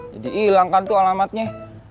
jadi hilang kan tuh alamatnya